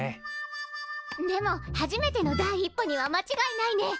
でも初めての第一歩にはまちがいないね。